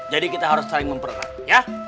jadi kita harus saling mempererat ya